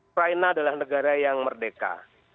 china adalah negara yang merdeka